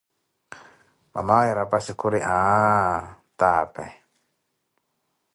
Mamawe rapassi khuri aaah tápeh.